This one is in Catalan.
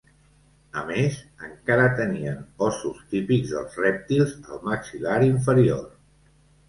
A més, encara tenien ossos típics dels rèptils al maxil·lar inferior.